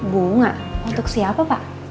bunga untuk siapa pak